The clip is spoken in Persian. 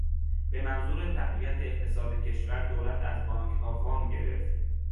به منظور تقویت اقتصاد کشور، دولت از بانکها وام گرفت.